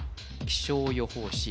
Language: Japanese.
気象予報士